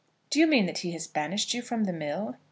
"Do you mean that he has banished you from the mill?"